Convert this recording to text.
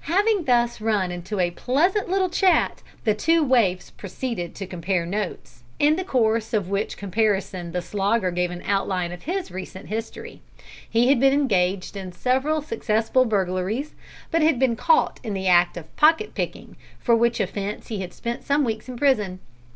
Having thus run into a pleasant little chat, the two waifs proceeded to compare notes, in the course of which comparison the Slogger gave an outline of his recent history. He had been engaged in several successful burglaries, but had been caught in the act of pocket picking, for which offence he had spent some weeks in prison.